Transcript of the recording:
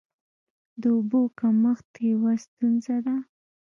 د اوبو کمښت یوه ستونزه ده.